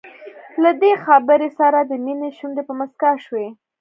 له دې خبرې سره د مينې شونډې په مسکا شوې.